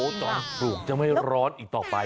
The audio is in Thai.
ตอนปลูกจะไม่ร้อนอีกต่อไป